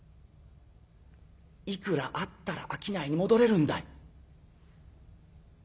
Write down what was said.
いくらあったら商いに戻れるんだい」。